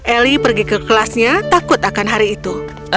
eli pergi ke kelasnya takut akan hari itu